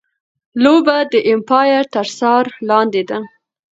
لوبه د ایمپایر تر څار لاندي ده.